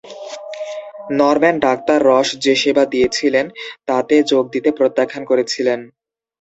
Norman doctor Ross যে-সেবা দিয়েছিলেন, তাতে যোগ দিতে প্রত্যাখ্যান করেছিলেন।